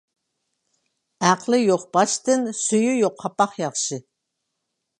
ئەقلى يوق باشتىن سۈيى يوق قاپاق ياخشى.